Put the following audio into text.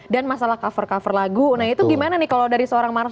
dan masalah cover cover lagu nah itu gimana nih kalau dari seorang marcel nih